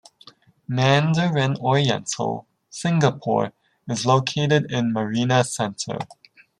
Mandarin Oriental, Singapore is located in Marina Centre.